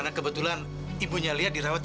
papa mau bantuan sendiri